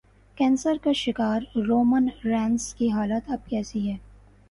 cancer کے شکار Roman Reigns کی حالت اب کیسی ہے